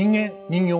人形？